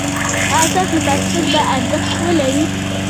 ایا ستاسو پاسپورت به ارزښت ولري؟